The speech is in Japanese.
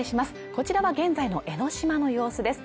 こちらは現在の江の島の様子です